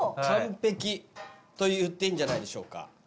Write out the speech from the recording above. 完璧といっていいんじゃないでしょうか。